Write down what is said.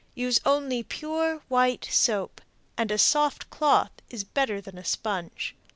Use only pure white soap, and a soft cloth is better than a sponge.